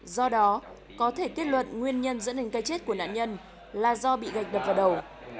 do đó có thể kết luận nguyên nhân dẫn đến cây chết của nạn nhân là do bị gạch đập vào đầu